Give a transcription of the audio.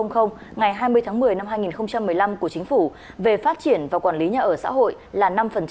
ngày hai mươi tháng một mươi năm hai nghìn một mươi năm của chính phủ về phát triển và quản lý nhà ở xã hội là năm